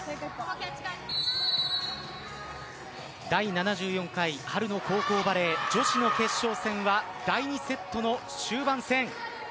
第７４回、春の高校バレー女子の決勝戦は第２セットの終盤戦。